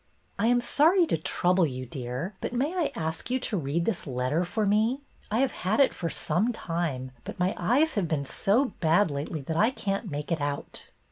" I am sorry to trouble you, dear, but may I ask you to read this letter for me ? I have had it for some time, but my eyes have been so bad lately that I can't make it out."